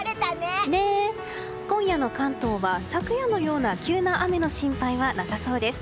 今夜の関東は、昨夜のような急な雨の心配はなさそうです。